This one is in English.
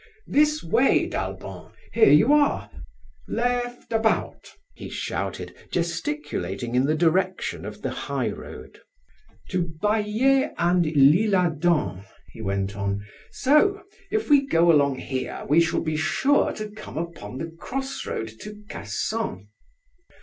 "This way, d'Albon, here you are! left about!" he shouted, gesticulating in the direction of the highroad. "To Baillet and l'Isle Adam!" he went on; "so if we go along here, we shall be sure to come upon the cross road to Cassan."